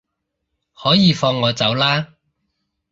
可以放我走喇